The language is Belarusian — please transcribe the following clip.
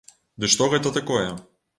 Ды што гэта такое?!